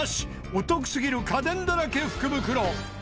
お得すぎる家電だらけ福袋。